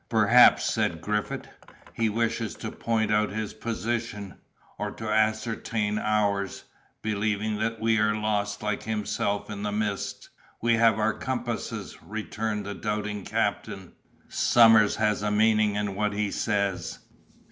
"Perhaps," said Griffith, "he wishes to point out his position, or to ascertain ours; believing that we are lost like himself in the mist." "We have our compasses!" returned the doubting captain; "Somers has a meaning in what he says!"